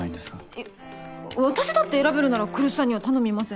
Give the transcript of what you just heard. えっ私だって選べるなら来栖さんには頼みません。